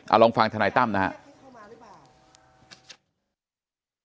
เอาลองฟังทนายตั้มนะฮะ